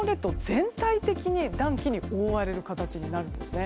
全体的に暖気に覆われる形になるんですね。